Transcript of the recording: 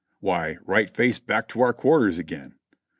''Why, right face back to our quarters again."